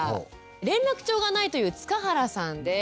連絡帳がないという塚原さんです。